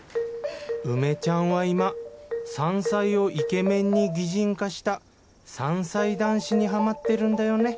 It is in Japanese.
梅ちゃんは今山菜をイケメンに擬人化した山菜男子にハマってるんだよね